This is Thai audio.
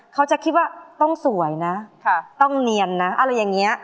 เขาจะคิดว่าต้องสวยนะต้องเนียนนะอะไรอย่างนี้